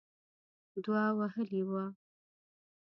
دوه وهلې وه.